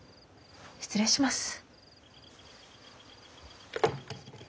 失礼します。